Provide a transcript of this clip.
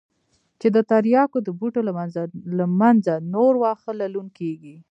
چې د ترياکو د بوټو له منځه نور واښه للون کېږي.